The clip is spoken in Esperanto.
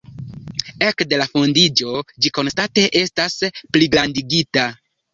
Ekde la fondiĝo ĝi konstante estas pligrandigita.